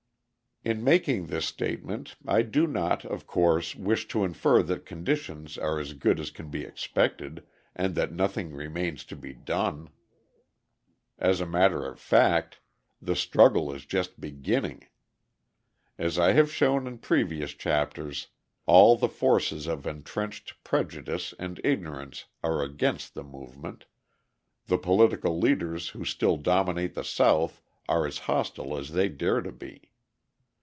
In making this statement, I do not, of course wish to infer that conditions are as good as can be expected, and that nothing remains to be done. As a matter of fact, the struggle is just beginning; as I have shown in previous chapters, all the forces of entrenched prejudice and ignorance are against the movement, the political leaders who still dominate the South are as hostile as they dare to be.